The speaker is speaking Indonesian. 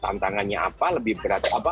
tantangannya apa lebih berat apa